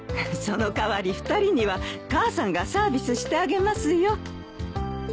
その代わり２人には母さんがサービスしてあげますよ。